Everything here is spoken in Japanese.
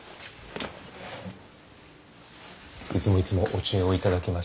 いつもいつもお知恵を頂きまして。